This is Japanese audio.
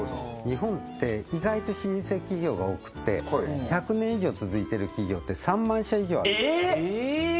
日本って意外と老舗企業が多くって１００年以上続いてる企業って３万社以上あるえっ